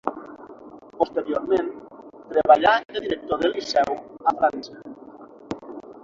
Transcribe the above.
Posteriorment, treballà de director de liceu a França.